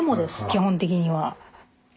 基本的には。